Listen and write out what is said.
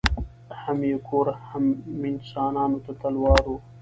هم یې کور هم انسانانو ته تلوار وو